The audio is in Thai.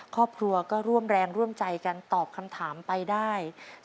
ครอบครัวก็ร่วมแรงร่วมใจกันตอบคำถามไปได้